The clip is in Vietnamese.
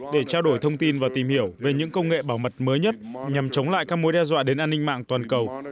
để trao đổi thông tin và tìm hiểu về những công nghệ bảo mật mới nhất nhằm chống lại các mối đe dọa đến an ninh mạng toàn cầu